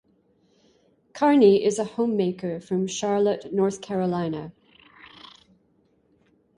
Carney is a homemaker from Charlotte, North Carolina.